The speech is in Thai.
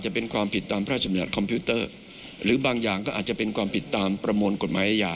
กตบอกไว้ดังนั้นสิ่งที่ไม่แน่ใจก็ไม่ควรทำ